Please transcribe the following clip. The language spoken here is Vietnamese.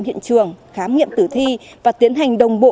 hiện trường khám nghiệm tử thi và tiến hành đồng bộ